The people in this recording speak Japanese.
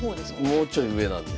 もうちょい上なんで。